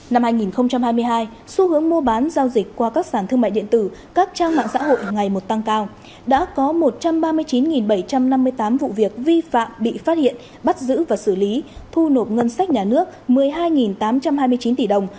năm hai nghìn hai mươi hai xu hướng mua bán giao dịch qua các sản thương mại điện tử các trang mạng xã hội ngày một tăng cao đã có một trăm ba mươi chín bảy trăm năm mươi tám vụ việc vi phạm bị phát hiện bắt giữ và xử lý thu nộp ngân sách nhà nước một mươi hai tám trăm hai mươi chín tỷ đồng